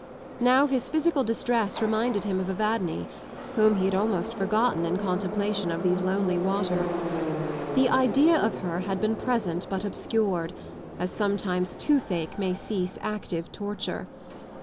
Now his physical distress reminded him of Evadne, whom he had almost forgotten in contemplation of these lonely waters. The idea of her had been present but obscured, as sometimes toothache may cease active torture.